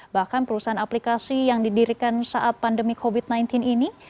bahkan perusahaan aplikasi yang didirikan saat pandemi covid sembilan belas ini